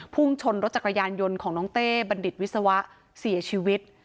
พุ่งชนรถจักรยานยนต์ของน้องเต้บัณฑิตวิศวะเสียชีวิต